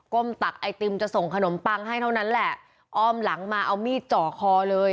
ตักไอติมจะส่งขนมปังให้เท่านั้นแหละอ้อมหลังมาเอามีดจ่อคอเลย